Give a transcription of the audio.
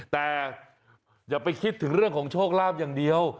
แต่อย่าไปคิดถึงเรื่องของโชคลาภอย่างเดียว